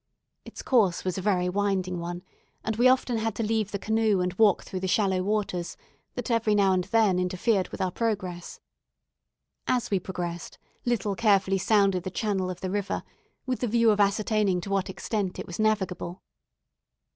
Its course was a very winding one; and we often had to leave the canoe and walk through the shallow waters, that every now and then interfered with our progress. As we progressed, Little carefully sounded the channel of the river, with the view of ascertaining to what extent it was navigable.